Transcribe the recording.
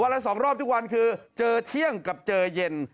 ละ๒รอบทุกวันคือเจอเที่ยงกับเจอเย็น